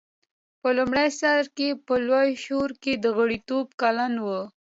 په لومړي سر کې په لویه شورا کې غړیتوب کلن و.